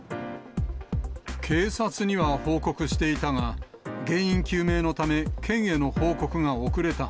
警察には報告していたが、原因究明のため、県への報告が遅れた。